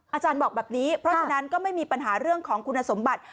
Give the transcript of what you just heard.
อาจารย์บอกแบบนี้เพราะฉะนั้นก็ไม่มีปัญหาเรื่องของคุณสมบัติ